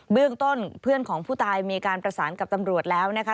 เรื่องต้นเพื่อนของผู้ตายมีการประสานกับตำรวจแล้วนะคะ